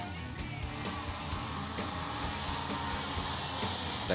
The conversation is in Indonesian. juga membuat balapnya lebih menahan